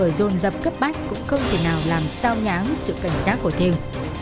cái cửa rôn rập cấp mách cũng không thể nào làm sao nhãn sự cảnh giác của thêu